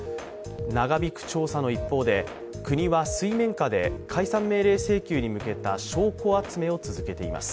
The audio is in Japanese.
長引く調査の一方で国は水面下で解散命令請求に向けた証拠集めを続けています。